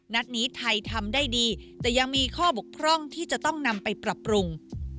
นัดนี้ไทยทำได้ดีแต่ยังมีข้อบกพร่องที่จะต้องนำไปปรับปรุง